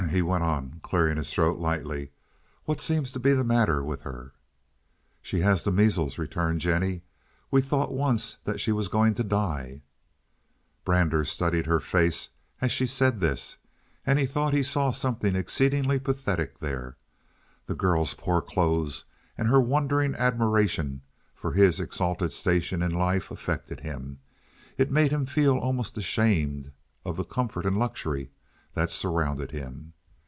"Hem!" he went on, clearing his throat lightly, "What seems to be the matter with her?" "She has the measles," returned Jennie. "We thought once that she was going to die." Brander studied her face as she said this, and he thought he saw something exceedingly pathetic there. The girl's poor clothes and her wondering admiration for his exalted station in life affected him. It made him feel almost ashamed of the comfort and luxury that surrounded him.